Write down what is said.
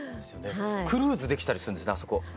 クルーズできたりすんですねあそこ。